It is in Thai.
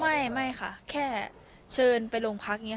ไม่ไม่คะแค่เชิญไปร่วมภักดิ์ค่ะ